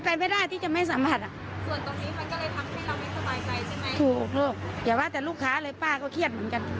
อ๋อแล้วป้าในใกล้ชิดมากกว่าเครียด